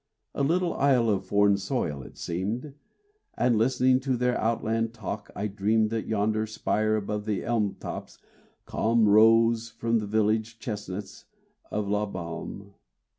A little isle of foreign soil it seemed, And listening to their outland talk, I dreamed That yonder spire above the elm tops calm Rose from the village chestnuts of La Balme.